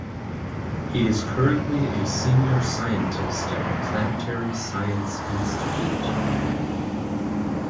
He is currently a senior scientist at the Planetary Science Institute.